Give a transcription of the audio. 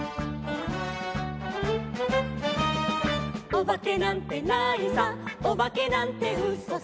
「おばけなんてないさおばけなんてうそさ」